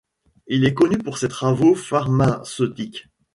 Il est connu pour ses travaux pharmaceutiques.